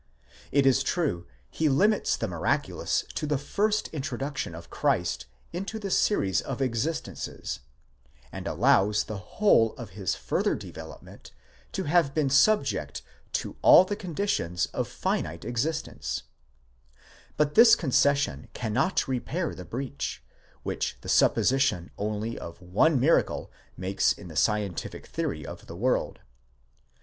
It is true, he limits the miraculous to the first introduction of Christ into the series of existences, and allows the whole of his further development to have been subject to all the conditions of finite existence: but this concession cannot repair the breach, which the supposition only of one miracle makes in the scientific theory of the world.